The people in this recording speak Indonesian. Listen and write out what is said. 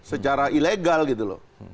secara ilegal gitu loh